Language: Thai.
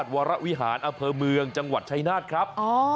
วัวิหารอเผอมวเมืองจังหวัดใช่นาถครับ